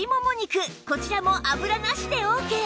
こちらも油なしでオーケー